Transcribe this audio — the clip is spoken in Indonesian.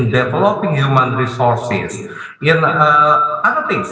dalam mengembangkan sumber daya manusia